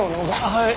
はい。